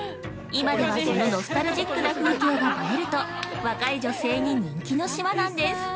今では、そのノスタルジックな風景が映えると、若い女性に人気の島なんです。